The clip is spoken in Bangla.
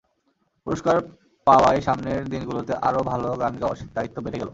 পুরস্কার পাওয়ায় সামনের দিনগুলোতে আরও ভালো গান গাওয়ার দায়িত্ব বেড়ে গেল।